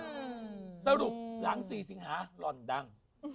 สรุปหลังสี่สิงหาหล่อนดัง